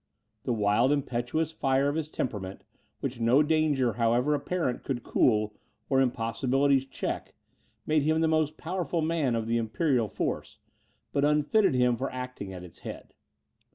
The wild impetuous fire of his temperament, which no danger, however apparent, could cool, or impossibilities check, made him the most powerful arm of the imperial force, but unfitted him for acting at its head.